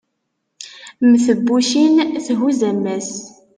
mm tebbucin thuzz ammas